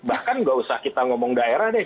bahkan nggak usah kita ngomong daerah deh